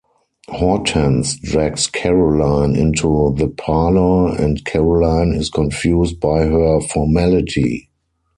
Hortense drags Caroline into the parlour and Caroline is confused by her formality.